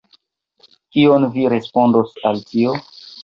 Kion vi respondos al tio?